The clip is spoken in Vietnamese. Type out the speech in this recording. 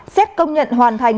xét công nhận hoàn thành